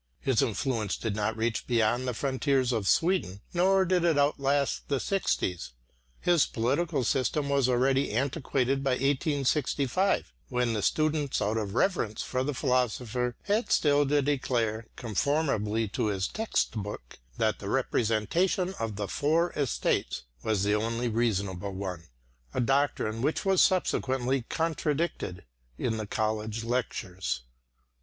His influence did not reach beyond the frontiers of Sweden, nor did it outlast the sixties. His political system was already antiquated in 1865, when the students out of reverence for the philosopher, had still to declare, conformably to his textbook, that the representation of the four estates was the only reasonable one a doctrine which was subsequently contradicted in the college lectures.